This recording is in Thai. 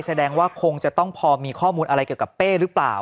แสดงว่าคงจะต้องพอมีข้อมูลอะไรเกี่ยวกับเป้หรือเปล่า